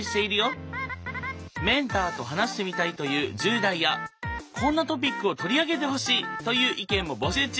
メンターと話してみたいという１０代やこんなトピックを取り上げてほしいという意見も募集中。